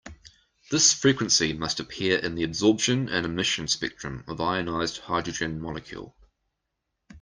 This frequency must appear in the absorption and emission spectrum of ionized hydrogen molecule.